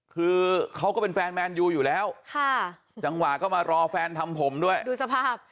คือเขาก็เป็นแฟนแมนยูอยู่แล้วค่ะจังหวะก็มารอแฟนทำผมด้วยดูสภาพ